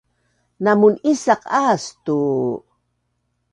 Namun’isaq aas tu?